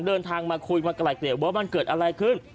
เดินทางมาคุยมาไกลเกลียว่ามันเกิดอะไรขึ้น